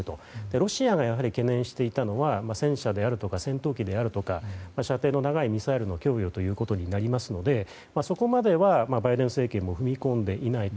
ロシアが懸念していたのは戦車であるとか戦闘機であるとか射程の長いミサイルの供与ということになりますのでそこまではバイデン政権も踏み込んでいないと。